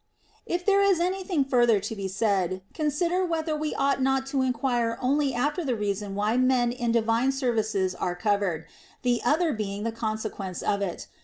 If there is any thing further to be said, consider whether we ought not to enquire only after the reason why men in divine service are covered, the other being the consequence of it.